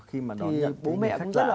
khi mà đón nhận những khách lạ đó